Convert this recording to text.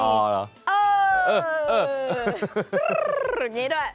อย่างนี้ด้วย